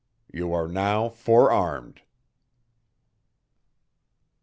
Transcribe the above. You are now fore armed!"